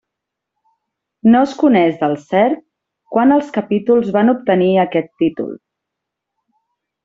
No es coneix del cert quan els capítols van obtenir aquest títol.